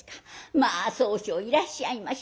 「まあ宗匠いらっしゃいまし。